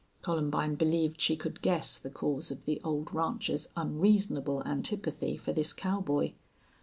Columbine believed she could guess the cause of the old rancher's unreasonable antipathy for this cowboy.